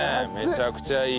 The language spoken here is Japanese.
めちゃくちゃいい。